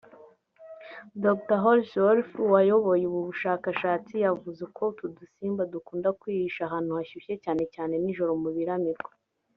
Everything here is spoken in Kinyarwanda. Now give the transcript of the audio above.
Dr Hallsworth wayoboye ubu bushakashatsi yavuze uko utu dusimba dukunda kwihisha ahantu hashyushye cyane cyane nijoro mu biramirwa